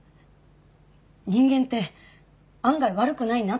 人間って案外悪くないなって。